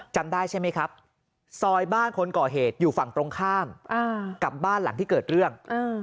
จำได้ใช่ไหมครับซอยบ้านคนก่อเหตุอยู่ฝั่งตรงข้ามกับบ้านหลังที่เกิดเรื่อง